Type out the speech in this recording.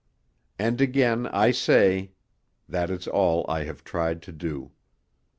And again I say, that is all I have tried to do.